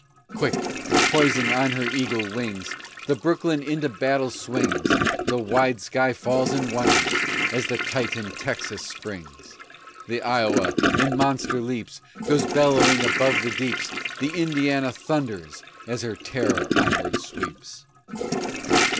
Quick, poising on her eagle wings, The Brooklyn into battle swings; The wide sea falls and wonders as the titan Texas springs; The Iowa in monster leaps Goes bellowing above the deeps; The Indiana thunders as her terror onward sweeps.